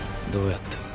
どうやって？